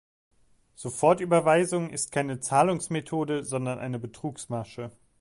Sofort-Überweisung ist keine Zahlungsmethode, sondern eine Betrugsmasche.